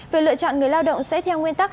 việc lựa chọn người lao động sẽ theo nguyên tắc